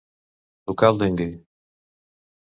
Tocar el dengue.